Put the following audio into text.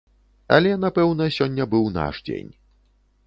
Але, напэўна, сёння быў наш дзень.